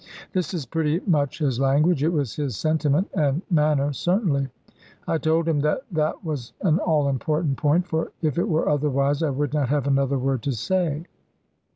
This is pretty much his language ; it was his sentiment and manner certainly. I told him that that was an all important point, for if it were otherwise I would not have another word to say.